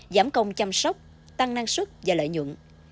giảm công chăm sóc tăng năng suất và lợi nhuận